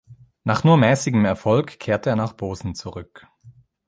Nach nur mäßigem Erfolg kehrte er nach Bozen zurück.